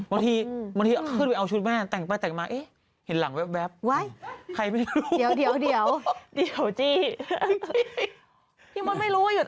บางทีเข้าไปเอาชุดแม่แต่งไปแต่งมา